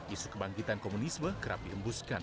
isu kebangkitan komunisme kerap dihembuskan